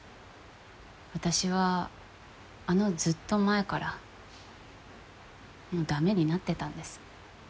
私はあのずっと前からもうだめになってたんです。